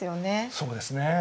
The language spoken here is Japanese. そうですね。